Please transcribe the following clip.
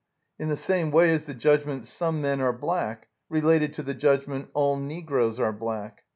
In the same way is the judgment, "Some men are black," related to the judgment, "All negroes are black."